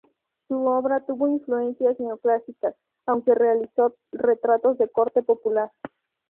Su obra tuvo influencias neoclásicas, aunque realizó retratos de corte popular.